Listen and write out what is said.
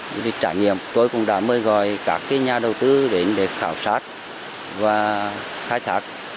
những trải nghiệm tôi cũng đã mời gọi các nhà đầu tư đến để khảo sát và khai thác